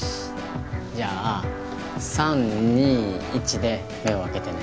じゃあ「３２１」で目を開けてね。